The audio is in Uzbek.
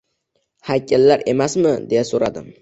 Haykallar emasmi?» deya so’radim.